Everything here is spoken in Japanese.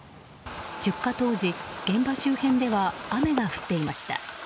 出火当時、現場周辺では雨が降っていました。